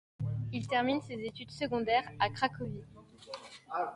Il termine ses études secondaires à Cracovie.